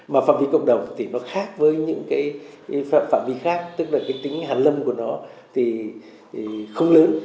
mà phạm vi cộng đồng thì nó khác với những cái phạm vi khác tức là cái tính hàn lâm của nó thì không lớn